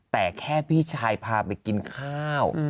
แต่แค่พี่ชายพาไปกินข้าว